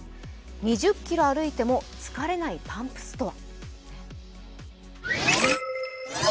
２０ｋｍ歩いても疲れないパンプスとは。